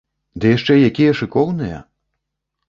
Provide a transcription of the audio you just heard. Ды яшчэ якія шыкоўныя!